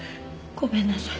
ごめんなさい。